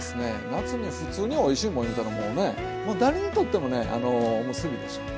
夏にふつうにおいしいもんいうたらもうね誰にとってもねおむすびでしょう。